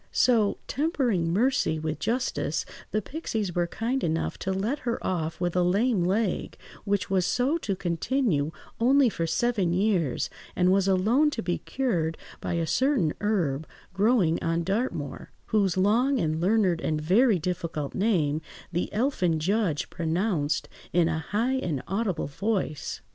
So, tempering mercy with justice, the pixies were kind enough to let her off with a lame leg, which was so to continue only for seven years, and was alone to be cured by a certain herb, growing on Dartmoor, whose long and learned and very difficult name the elfin judge pronounced in a high and audible voice.